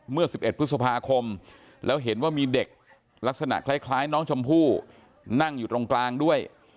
เมื่อ๑๑พฤษภาคมแล้วเห็นว่ามีเด็กลักษณะคล้ายน้องชมพู่นั่งอยู่ตรงกลางด้วย